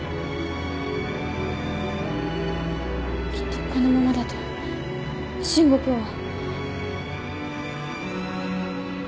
きっとこのままだと伸吾君は。